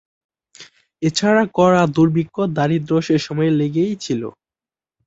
এছাড়া খরা, দুর্ভিক্ষ, দারিদ্র সেসময়ে লেগেই ছিল।